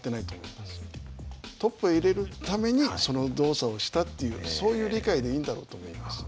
トップへ入れるためにその動作をしたというそういう理解でいいんだろうと思います。